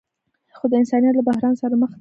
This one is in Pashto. خو د انسانیت له بحران سره مخ دي.